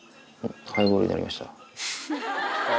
ハイボールになりました。